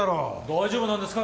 大丈夫なんですか？